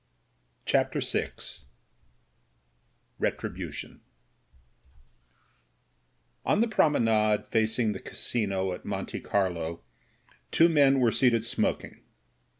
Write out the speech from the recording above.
CHAPTER VI RETRIBUTION ON the Promenade facing the Casino at Monte Carlo two men were seated smoking.